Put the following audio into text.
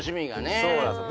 そうなんすよ